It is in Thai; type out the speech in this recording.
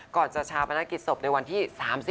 ก่อนเช้าประณาคฤศศพในวันที่